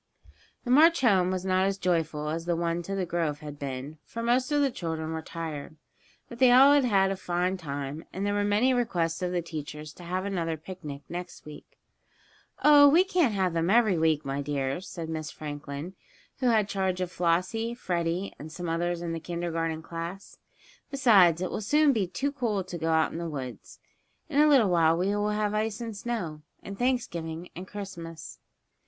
The march home was not as joyful as the one to the grove had been, for most of the children were tired. But they all had had a fine time, and there were many requests of the teachers to have another picnic the next week. "Oh, we can't have them every week, my dears," said Miss Franklin, who had charge of Flossie, Freddie and some others in the kindergarten class. "Besides, it will soon be too cool to go out in the woods. In a little while we will have ice and snow, and Thanksgiving and Christmas."